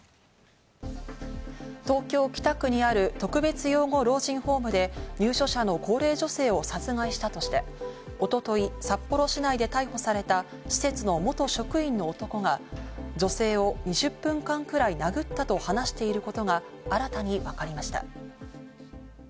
東京・北区にある特別養護老人ホームで、入所者の高齢女性を殺害したとして一昨日、札幌市内で逮捕された施設の元職員の男が女性を２０分間くらい殴ったと話していることが新たに分かりました。